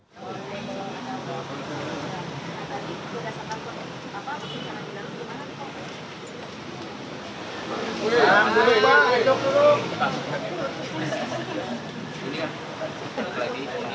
jadi saya tadi kita pak pika kita komunikasi dengan anda